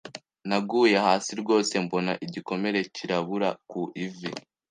Naguye hasi rwose mbona igikomere cyirabura ku ivi.